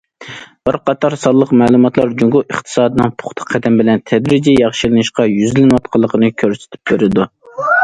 بىر قاتار سانلىق مەلۇماتلار جۇڭگو ئىقتىسادىنىڭ پۇختا قەدەم بىلەن تەدرىجىي ياخشىلىنىشقا يۈزلىنىۋاتقانلىقىنى كۆرسىتىپ بېرىدۇ.